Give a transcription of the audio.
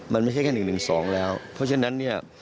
มันไม่ใช่แค่๑๑๒แล้วเพราะฉะนั้นเนี่ย